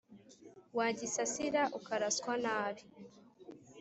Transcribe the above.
Wagisasira ukaraswa nabi